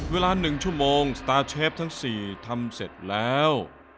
เวลา๑ชั่วโมงสตาร์เชฟทั้ง๔ทำเสร็จแล้ว